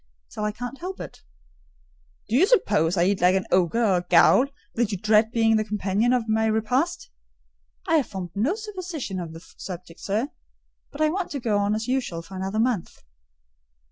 "Till I can't help it." "Do you suppose I eat like an ogre or a ghoul, that you dread being the companion of my repast?" "I have formed no supposition on the subject, sir; but I want to go on as usual for another month."